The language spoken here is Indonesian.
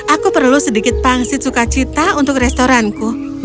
aku perlu sedikit pangsit sukacita untuk restoranku